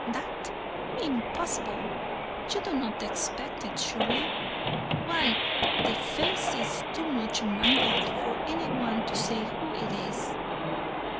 "That? Impossible! You do not expect it, surely? Why, the face is too much mangled for any one to say who it is."